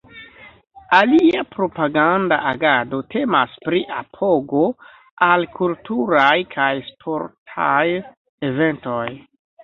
Alia propaganda agado temas pri apogo al kulturaj kaj sportaj eventoj.